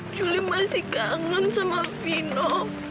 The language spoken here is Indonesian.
juli masih kangen sama vino